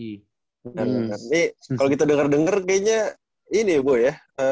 nanti kalo kita denger denger kayaknya ini ya bu ya